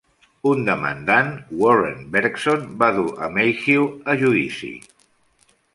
Un demandant, Warren Bergson, va dur Mayhew a judici.